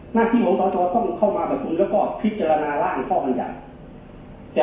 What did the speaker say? หน้าที่ของสทต้องเข้ามาประชุมแล้วก็พิจารณาร่างข้อบรรยัติ